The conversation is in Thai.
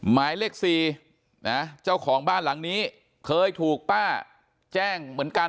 หมายเลข๔นะเจ้าของบ้านหลังนี้เคยถูกป้าแจ้งเหมือนกัน